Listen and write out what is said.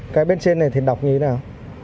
cái bên trên này thì đọc như thế nào